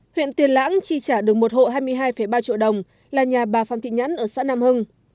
huyện tiền lãng chi trả được một hộ hai mươi hai ba triệu đồng là nhà bà phan thị nhẫn ở xã nam hưng